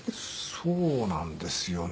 そうなんですよね。